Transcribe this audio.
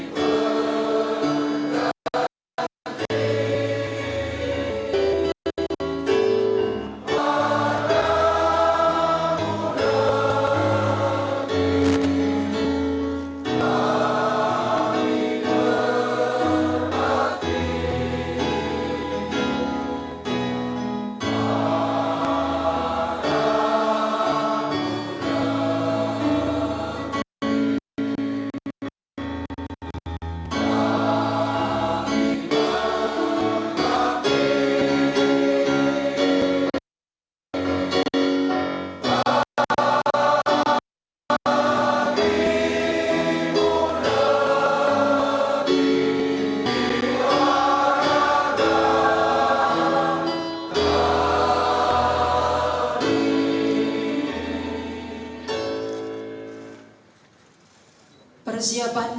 kepada ibu moron